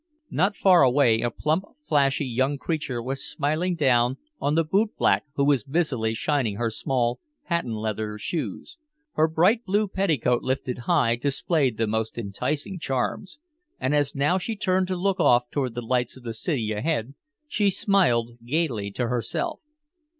Not far away a plump flashy young creature was smiling down on the bootblack who was busily shining her small patent leather shoes. Her bright blue petticoat lifted high displayed the most enticing charms, and as now she turned to look off toward the lights of the city ahead, she smiled gaily to herself.